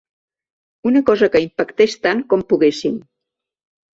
Una cosa que impactés tant com poguéssim.